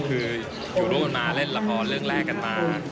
คืออยู่ร่วมกันมาเล่นละครเรื่องแรกกันมา